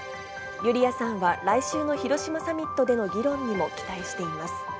ユリヤさんは来週の広島サミットでの議論にも期待しています。